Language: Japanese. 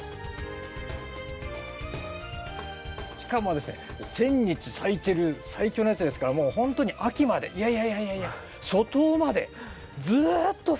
しかもですね千日咲いてる最強のやつですからもうほんとに秋までいやいやいやいやいや初冬までずっと咲いてるんですよ。